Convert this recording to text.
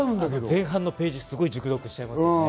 前半のページ、熟読しちゃいますよね。